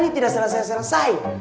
ini tidak serang saya serang saya